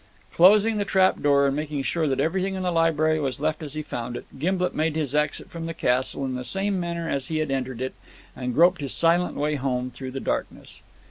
Closing the trap door, and making sure that everything in the library was left as he had found it, Gimblet made his exit from the castle in the same manner as he had entered it, and groped his silent way home through the darkness.